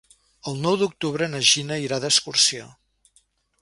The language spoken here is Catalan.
El nou d'octubre na Gina irà d'excursió.